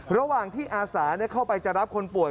ระหว่างที่อาสาเข้าไปจะรับคนป่วย